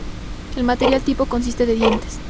El material tipo consiste de dientes.